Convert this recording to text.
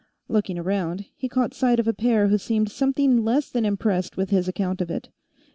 Looking around, he caught sight of a pair who seemed something less than impressed with his account of it.